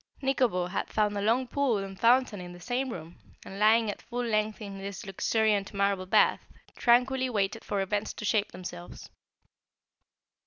Nikobo had found a long pool and fountain in the same room and, lying at full length in this luxuriant marble bath, tranquilly waited for events to shape themselves.